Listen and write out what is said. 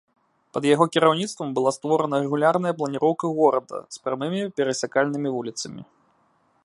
Пад яго кіраўніцтвам была створана рэгулярная планіроўка горада з прамымі перасякальнымі вуліцамі.